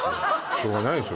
しょうがないでしょ